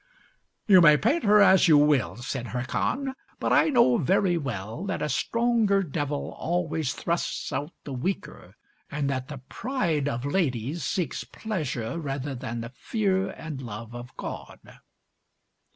"You may paint her as you will," said Hircan, "but I know very well that a stronger devil always thrusts out the weaker, and that the pride of ladies seeks pleasure rather than the fear and love of God.